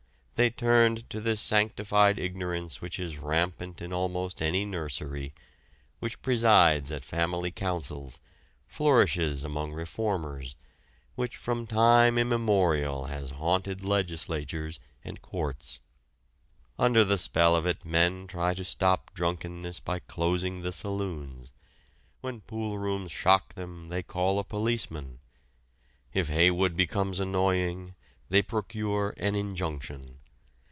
They turned to this sanctified ignorance which is rampant in almost any nursery, which presides at family councils, flourishes among "reformers"; which from time immemorial has haunted legislatures and courts. Under the spell of it men try to stop drunkenness by closing the saloons; when poolrooms shock them they call a policeman; if Haywood becomes annoying, they procure an injunction.